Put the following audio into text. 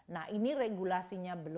nah ini regulasinya berapa